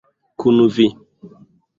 Kun vi.